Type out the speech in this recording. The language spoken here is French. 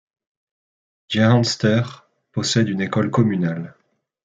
Jehanster possède une école communale.